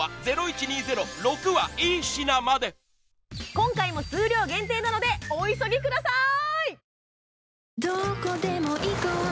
今回も数量限定なのでお急ぎください